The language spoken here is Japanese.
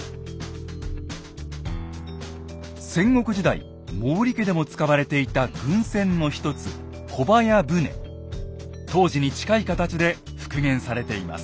戦国時代毛利家でも使われていた軍船の一つ当時に近い形で復元されています。